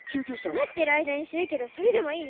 待ってる間に死ぬけどそれでもいい？